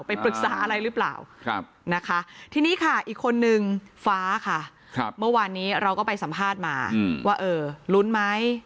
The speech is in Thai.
ไปปรึกษาอะไรหรือเปล่านะคะทีนี้ค่ะอีกคนนึงฟ้าค่ะเมื่อวานนี้เราก็ไปสัมภาษณ์มาว่าเออลุ้นไหม